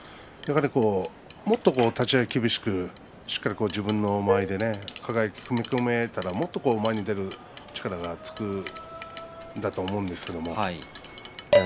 もっと立ち合い厳しくしっかり自分の間合いでいけばもっと前に出る力がつくと思うんですけどね。